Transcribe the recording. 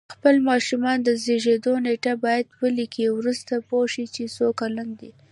خپل ماشومانو د زیږېدو نېټه باید ولیکئ وروسته پوه شی چې څو کلن دی